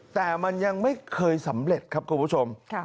แต่มันยังไม่เคยสำเร็จครับคุณผู้ชม